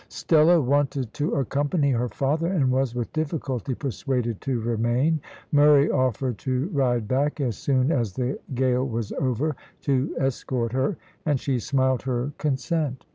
Stella wanted to accompany her father, and was with difficulty persuaded to remain. Murray offered to ride back as soon as the gale was over to escort her, and she smiled her consent.